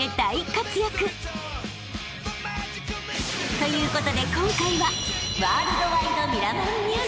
ということで今回は］